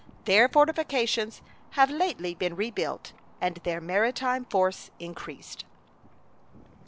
Their fortifications have lately been rebuilt and their maritime force increased.